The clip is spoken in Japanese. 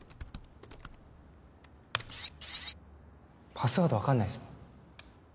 パスワードわかんないっすもん。